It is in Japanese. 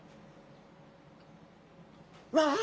わあ！